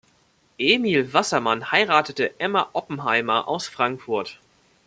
Emil Wassermann heiratete Emma Oppenheimer aus Frankfurt.